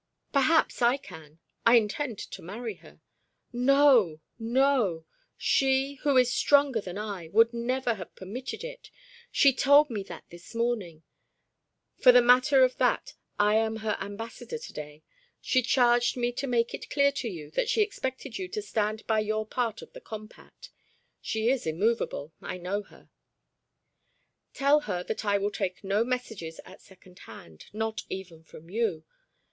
"Perhaps I can. I intend to marry her." "No! No! She, who is stronger than I, would never have permitted it. She told me that this morning. For the matter of that I am her ambassador to day. She charged me to make it clear to you that she expected you to stand by your part of the compact. She is immovable; I know her." "Tell her that I will take no messages at second hand, not even from you.